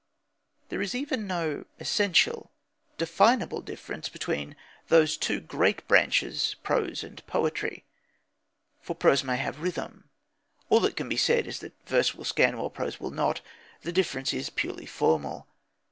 There is even no essential, definable difference between those two great branches, prose and poetry. For prose may have rhythm. All that can be said is that verse will scan, while prose will not. The difference is purely formal.